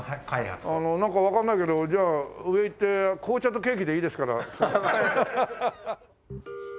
あのなんかわかんないけどじゃあ上行って紅茶とケーキでいいですから。